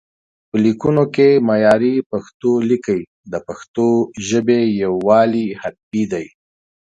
په ليکونو کې معياري پښتو ليکئ، د پښتو ژبې يووالي حتمي دی